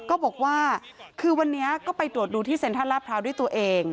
ก็บอกว่าคือวันนี้ก็ไปตรวจดูที่เซ็นทรัลลาดพร้าวด้วยตัวเอง